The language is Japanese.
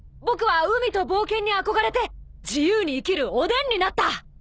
僕は海と冒険に憧れて自由に生きるおでんになった。